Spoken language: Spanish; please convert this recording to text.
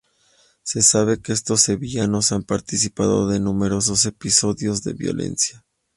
Se sabe que estos sevillanos han participado de numerosos episodios de violencia.